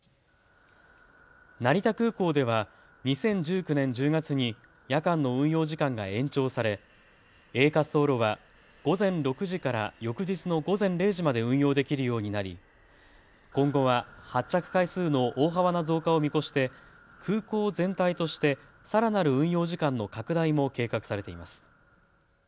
成田空港では２０１９年１０月に夜間の運用時間が延長されＡ滑走路は午前６時から翌日の午前０時まで運用できるようになり今後は発着回数の大幅な増加を見越して空港全体としてさらなる運用時間の拡大も計画されています。